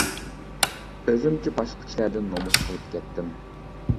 ئۆزۈمچە باشقا كىشىلەردىن نومۇس قىلىپ كەتتىم.